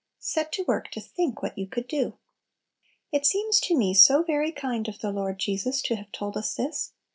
Set to work to think what you could do! It seems to me so very kind of the Lord Jesus to have told us this.